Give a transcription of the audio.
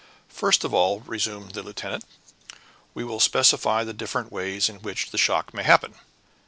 "First of all," resumed the lieutenant, "we will specify the different ways in which the shock may happen."